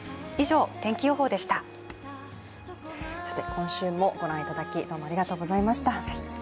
今週もご覧いただきどうもありがとうございました。